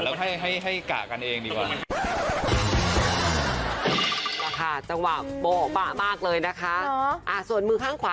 แล้วให้กะกันเองดีกว่า